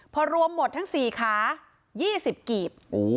พอรวมหมดทั้ง๔ขา๒๐กีบ